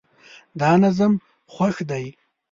دا نظم خوښ دی